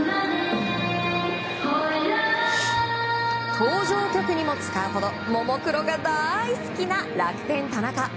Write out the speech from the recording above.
登場曲にも使うほどももクロが大好きな楽天、田中。